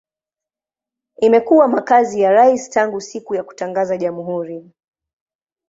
Imekuwa makazi ya rais tangu siku ya kutangaza jamhuri.